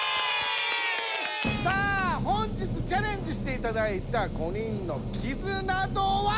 さあ本日チャレンジしていただいた５人のキズナ度は！